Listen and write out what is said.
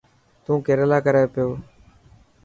تو ڪيريلا ڪري پيو.